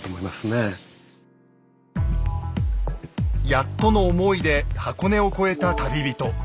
やっとの思いで箱根を越えた旅人。